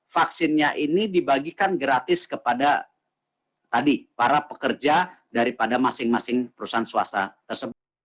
vaksinnya ini dibagikan gratis kepada para pekerja daripada masing masing perusahaan swasta tersebut